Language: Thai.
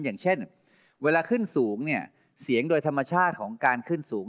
อย่างเช่นเวลาขึ้นสูงเนี่ยเสียงโดยธรรมชาติของการขึ้นสูง